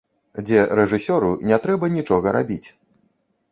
Дзе рэжысёру не трэба нічога рабіць.